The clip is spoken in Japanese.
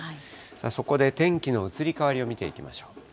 そこで天気の移り変わりを見ていきましょう。